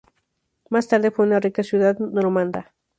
Más tarde fue una rica ciudad normanda.